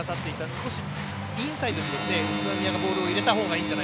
少しインサイドで宇都宮はボールを入れたほうがいいんじゃ